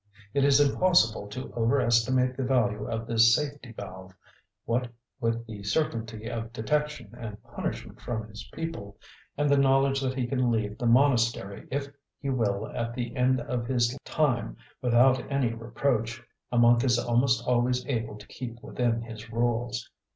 It is impossible to over estimate the value of this safety valve. What with the certainty of detection and punishment from his people, and the knowledge that he can leave the monastery if he will at the end of his time without any reproach, a monk is almost always able to keep within his rules.